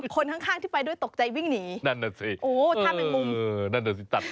คนข้างที่ไปด้วยตกใจวิ่งหนีโอ้ท่าแม่งมุม